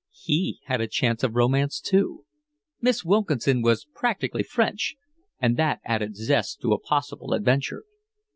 He had a chance of romance too. Miss Wilkinson was practically French, and that added zest to a possible adventure.